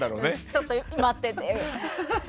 ちょっと待ってって。